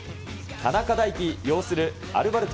田中大貴擁するアルバルク